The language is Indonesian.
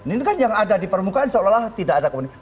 ini kan yang ada di permukaan seolah olah tidak ada komunikasi